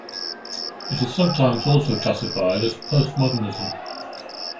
It is sometimes also classified as Postmodernism.